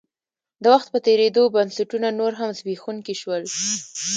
د وخت په تېرېدو بنسټونه نور هم زبېښونکي شول.